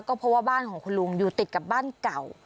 เพราะว่าบ้านของคุณลุงอยู่ติดกับบ้านเก่า